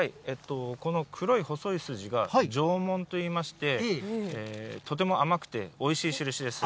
この黒い細い筋が条紋といいまして、とても甘くておいしい印です。